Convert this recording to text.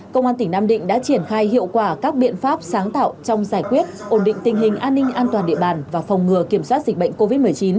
công an tỉnh nam định đã triển khai hiệu quả các biện pháp sáng tạo trong giải quyết ổn định tình hình an ninh an toàn địa bàn và phòng ngừa kiểm soát dịch bệnh covid một mươi chín